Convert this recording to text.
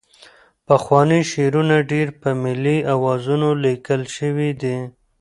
پخواني شعرونه ډېری په ملي اوزانو لیکل شوي دي.